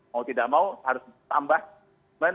mau tidak mau harus tambah